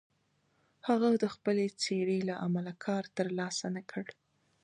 هغه د خپلې څېرې له امله کار تر لاسه نه کړ.